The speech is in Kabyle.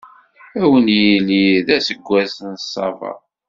Ad wen-yili d aseggas n Ṣṣaba.